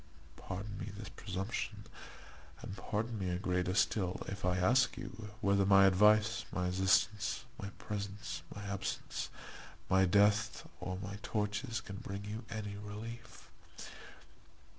Pardon me this presumption, and pardon me a greater still, if I ask you, whether my advice, my assistance, my presence, my absence, my death, or my tortures can bring you any relief?